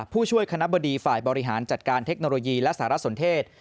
ผู้ช่วยคณะบดีฝ่ายบริหารจัดการเทคโนโลยีและสารสนเทศ